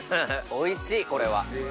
おいしいこれは。